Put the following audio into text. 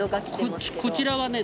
こちらはね